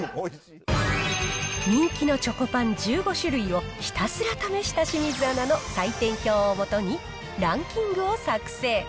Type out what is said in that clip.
人気のチョコパン１５種類をひたすら試した清水アナの採点表を基にランキングを作成。